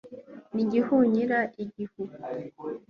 n'igihunyira, igihu